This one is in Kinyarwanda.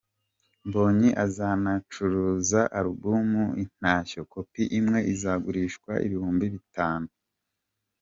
Mbonyi azanacuruza album ‘Intashyo’, kopi imwe izagurishwa ibihumbi bitanu.